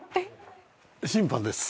審判です。